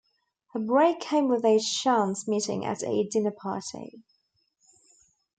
Her break came with a chance meeting at a dinner party.